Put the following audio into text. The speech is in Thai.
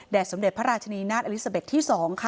แดดสมเด็จพระราชนีนาธิอลิซาเบคที่๒